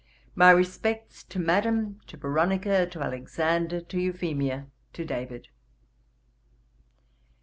'My respects to Madam, to Veronica, to Alexander, to Euphemia, to David.'